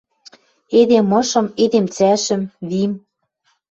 Эдем ышым, эдем цӓшӹм, вим...